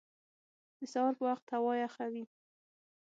د سهار په وخت هوا یخه وي